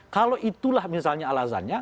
kalau itulah misalnya alasannya